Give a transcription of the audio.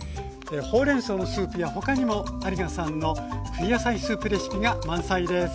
ほうれんそうのスープや他にも有賀さんの冬野菜スープレシピが満載です。